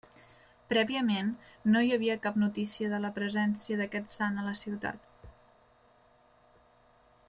Prèviament, no hi havia cap notícia de la presència d'aquest sant a la ciutat.